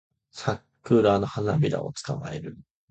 サクラの花びらを捕まえる